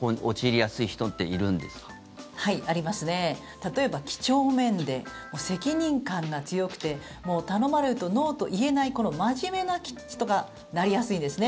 例えば、几帳面で責任感が強くて頼まれるとノーと言えない真面目な人がなりやすいんですね。